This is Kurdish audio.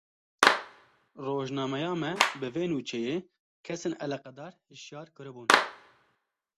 Rojnameya me, bi vê nûçeyê kesên eleqedar hişyar kiribûn